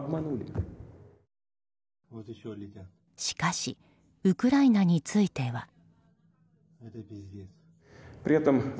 しかしウクライナについては。